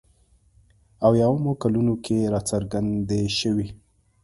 اویایمو کلونو کې راڅرګندې شوې.